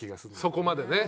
そこまでね。